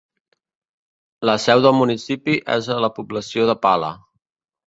La seu del municipi és a la població de Pale.